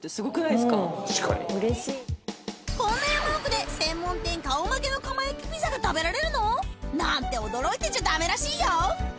こんな山奥で専門店顔負けの窯焼きピザが食べられるの！？なんて驚いてちゃダメらしいよ！